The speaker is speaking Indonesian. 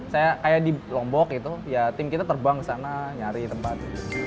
saya kayak di lombok itu ya tim kita terbang ke sana nyari tempat